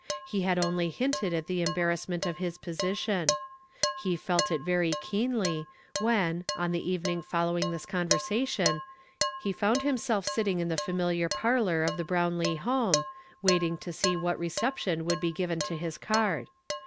He had only hinted at the embarrassment of us position. He felt it very keenly, when, on the evening following this conversation, he found umsel sitting in the familiar parlor of the Brownlee home, waiting to see what reception would be given to his card.